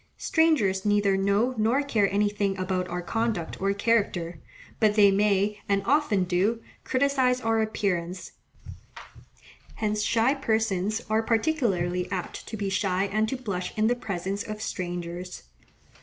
Strangers neither know nor care anything about our conduct or character, but they may, and often do, criticize our appearance: hence shy persons are particularly apt to be shy and to blush in the presence of strangers.